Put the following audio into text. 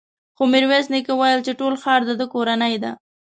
خو ميرويس نيکه وويل چې ټول ښار د ده کورنۍ ده.